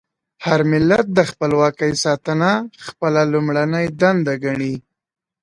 هر ملت د خپلواکۍ ساتنه خپله لومړنۍ دنده ګڼي.